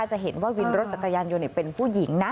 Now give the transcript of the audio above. จะเห็นว่าวินรถจักรยานยนต์เป็นผู้หญิงนะ